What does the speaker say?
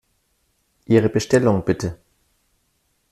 Ihre Bestellung, bitte!